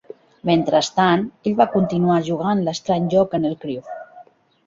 Mentrestant, ell va continuar jugant l'estrany joc en el Crewe.